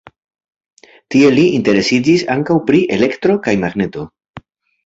Tie li interesiĝis ankaŭ pri elektro kaj magneto.